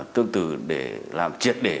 tương tự để làm triệt để